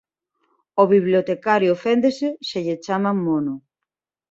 O Bibliotecario oféndese se lle chaman "mono".